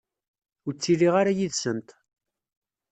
Ur ttiliɣ ara yid-sent.